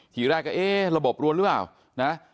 ทีแรกก็เอ๊ะระบบรวนหรือเปล่านะ